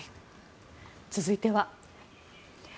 続いては。